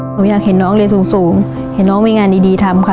หนูอยากเห็นน้องเรียนสูงเห็นน้องมีงานดีทำค่ะ